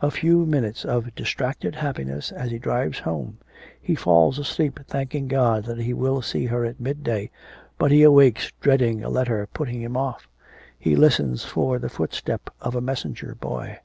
A few minutes of distracted happiness as he drives home. He falls asleep thanking God that he will see her at midday. But he awakes dreading a letter putting him off. He listens for the footstep of a messenger boy.'